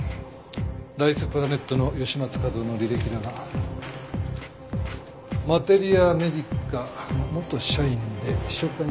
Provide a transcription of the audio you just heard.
ライスプラネットの吉松和男の履歴だがマテリアメディカの元社員で秘書課に所属。